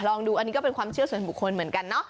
ลองดูอันนี้ก็เป็นความเชื่อส่วนบุคคลเหมือนกันเนาะ